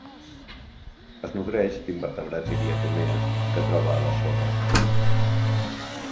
Es nodreix d'invertebrats i diatomees que troba a la sorra.